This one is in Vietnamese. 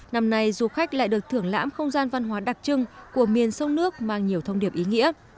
năm nay du khách lại được thưởng lãm không gian văn hóa đặc trưng của miền sông nước mang nhiều thông điệp ý nghĩa